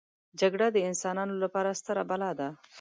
جګړه د انسانانو لپاره ستره بلا ده